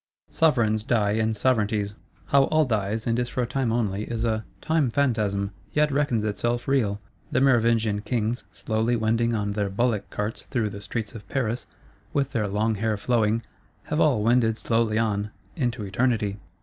Sovereigns die and Sovereignties: how all dies, and is for a Time only; is a "Time phantasm, yet reckons itself real!" The Merovingian Kings, slowly wending on their bullock carts through the streets of Paris, with their long hair flowing, have all wended slowly on,—into Eternity.